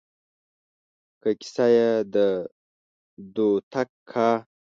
که کيسه يې د دوتک کا